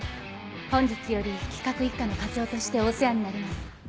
本日より企画一課の課長としてお世話になります。